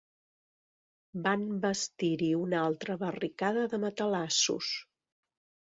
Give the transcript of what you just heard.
Van bastir-hi una altra barricada de matalassos